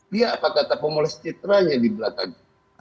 dia apakah pembalik citranya di belakang